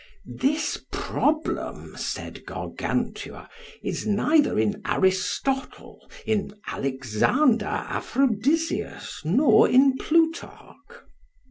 This problem, said Gargantua, is neither in Aristotle, in Alexander Aphrodiseus, nor in Plutarch.